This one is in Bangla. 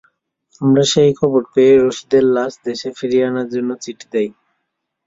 আমরা সেই খবর পেয়ে রশিদের লাশ দেশে ফিরিয়ে আনার জন্য চিঠি দেই।